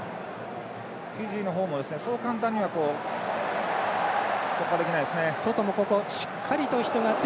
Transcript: フィジーの方もそう簡単には突破できないですね。